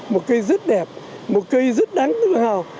một cây rất đẹp một cây rất đáng tự hào